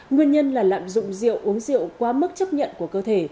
nguyên nhân là lạm dụng rượu uống rượu quá mức chấp nhận của cơ thể